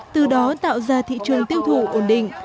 từ đó tạo ra thị trường tiêu thụ ổn định